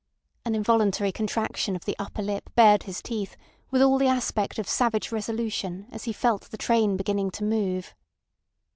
An involuntary contraction of the upper lip bared his teeth with all the aspect of savage resolution as he felt the train beginning to move.